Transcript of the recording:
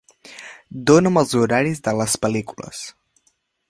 Dona'm els horaris de les pel·lícules